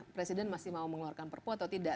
presiden masih mau mengeluarkan perpu atau tidak